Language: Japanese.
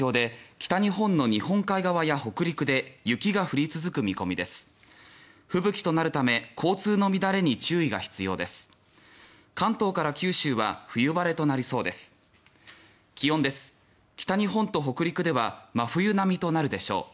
北日本と北陸では真冬並みとなるでしょう。